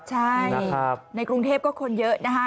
ใช่ในกรุงเทพก็คนเยอะนะคะ